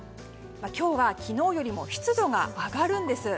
今日は昨日よりも湿度が上がるんです。